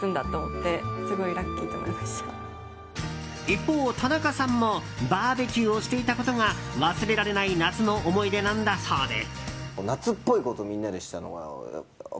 一方、田中さんもバーベキューをしていたことが忘れられない夏の思い出なんだそうで。